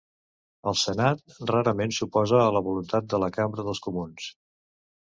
El Senat rarament s'oposa a la voluntat de la Cambra dels Comuns.